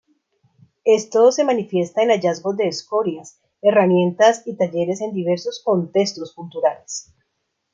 Esto se manifiesta en hallazgos de escorias, herramientas y talleres en diversos contextos culturales.